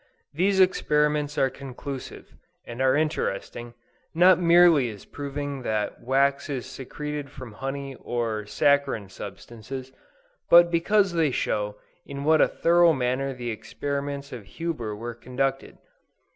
These experiments are conclusive; and are interesting, not merely as proving that wax is secreted from honey or saccharine substances, but because they show in what a thorough manner the experiments of Huber were conducted.